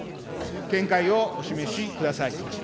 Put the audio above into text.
見解をお示しください。